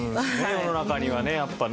世の中にはねやっぱね。